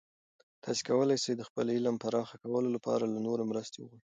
تاسې کولای سئ د خپل علم پراخه کولو لپاره له نورو مرستې وغواړئ.